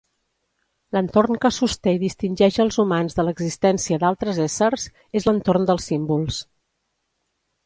L'entorn que sosté i distingeix els humans de l'existència d'altres éssers és l'entorn dels símbols.